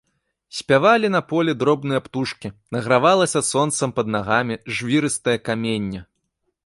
Спявалі на полі дробныя птушкі, награвалася сонцам пад нагамі жвірыстае каменне.